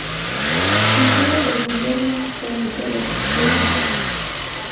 Pintura de Guillermo Ceniceros", edit.